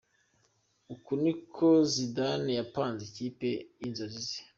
Uku niko Zidane yapanze ikipe y'inzozi ze.